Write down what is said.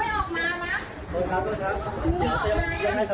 โดนเหรอหยุดโดนไง